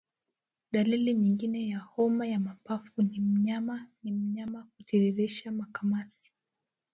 Dalili nyingine ya homa ya mapafu ni mnyama ni mnyama kutiririsha makamasi